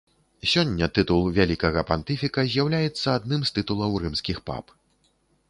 Сёння тытул вялікага пантыфіка з'яўляецца адным з тытулаў рымскіх пап.